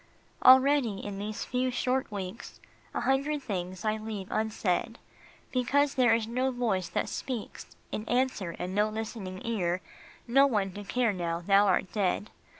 Already, in these few short weeks, A hundred things I leave unsaid, Because there is no voice that speaks In answer, and no listening ear, No one to care now thou art dead